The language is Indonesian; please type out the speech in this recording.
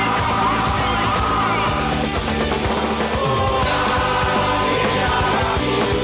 komarkas sama bangku